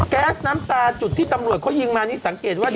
แก๊สน้ำตาจุดที่ตำรวจเขายิงมานี่สังเกตว่า